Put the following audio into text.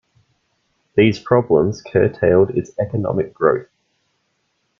These problems curtailed its economic growth.